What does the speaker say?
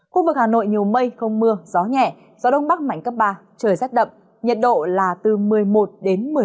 khu vực hà nội nhiều mây không mưa gió nhẹ gió đông bắc mạnh cấp ba trời rất đậm nhiệt độ là từ một mươi một một mươi bảy độ